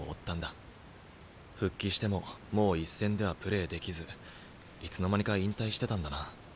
復帰してももう一線ではプレーできずいつの間にか引退してたんだな。